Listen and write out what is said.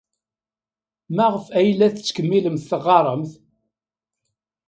Maɣef ay la tettkemmilemt teɣɣaremt?